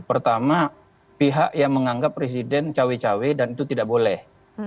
pertama pihak yang menganggap presiden cawe cawe dan itu tidak boleh